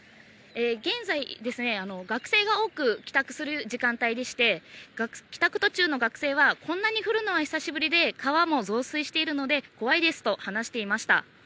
現在、学生が多く帰宅する時間帯でして、帰宅途中の学生は、こんなに降るのは久しぶりで、川も増水しているので、怖いですと話していました。